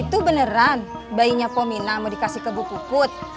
itu beneran bayinya pominah mau dikasih ke bu puput